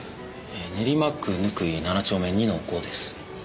練馬区貫井７丁目２の５です。